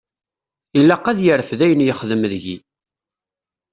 Ilaq ad yerfed ayen yexdem deg-i.